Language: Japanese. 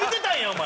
お前。